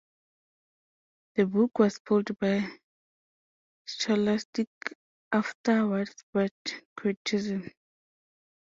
The book was pulled by Scholastic after widespread criticism.